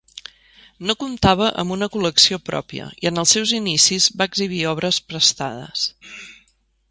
No comptava amb una col·lecció pròpia, i en els seus inicis va exhibir obres prestades.